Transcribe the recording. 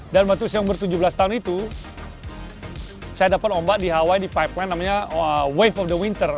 dan waktu saya umur tujuh belas tahun itu saya dapat ombak di hawaii di pipeline namanya wave of the winter